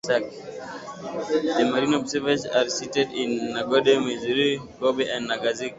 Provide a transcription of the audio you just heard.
The Marine Observatories are seated in Hakodate, Maizuru, Kobe and Nagasaki.